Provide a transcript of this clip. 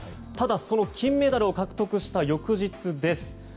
ただ、その金メダルを獲得した翌日です。